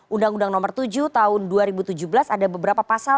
undang undang nomor tujuh tahun dua ribu tujuh belas ada beberapa pasal